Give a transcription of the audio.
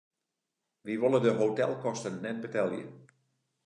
Dy wolle de hotelkosten net betelje.